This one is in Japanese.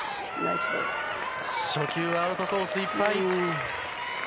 初球はアウトコースいっぱい。